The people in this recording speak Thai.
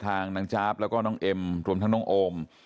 นางจ๊าบแล้วก็น้องเอ็มรวมทั้งน้องโอม